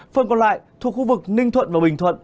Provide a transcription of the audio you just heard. phần còn lại thuộc khu vực ninh thuận và bình thuận